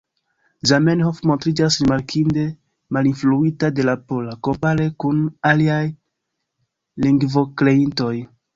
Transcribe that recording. Zamenhof montriĝas rimarkinde malinfluita de la pola, kompare kun aliaj lingvokreintoj.